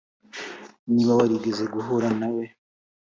niba warigeze guhura nawe,